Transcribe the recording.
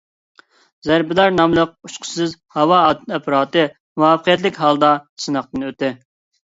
«زەربىدار» ناملىق ئۇچقۇچىسىز ھاۋا ئاپپاراتى مۇۋەپپەقىيەتلىك ھالدا سىناقتىن ئۆتتى.